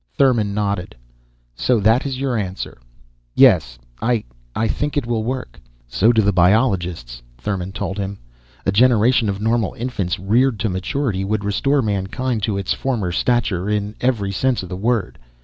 Thurmon nodded. "So that is your answer." "Yes. I I think it will work." "So do the biologists," Thurmon told him. "A generation of normal infants, reared to maturity, would restore mankind to its former stature, in every sense of the word.